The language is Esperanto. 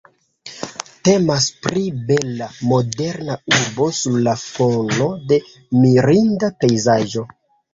Temas pri bela, moderna urbo sur la fono de mirinda pejzaĝo.